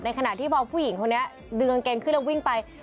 ขณะที่พอผู้หญิงคนนี้ดึงกางเกงขึ้นแล้ววิ่งไป